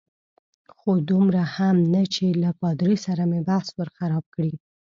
خو دومره هم نه چې له پادري سره مې بحث ور خراب کړي.